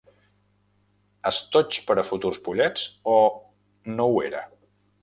Estoig per a futurs pollets, o no ho era?